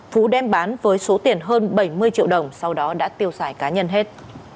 phú đem bán với số tiền hơn bảy mươi triệu đồng sau đó đã tiêu xài cá nhân hết